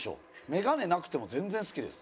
メガネなくても全然好きです。